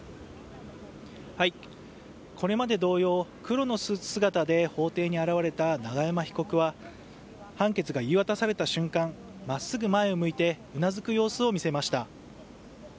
これまで同様、黒のスーツ姿で法廷に現れた永山被告は判決が言い渡された瞬間、まっすぐ前を向いてうなずく様子を見せました。